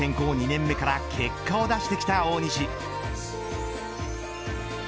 ２年目から結果を出してきた大西。